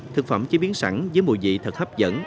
thực phẩm chế biến sẵn với mùi vị thật hấp dẫn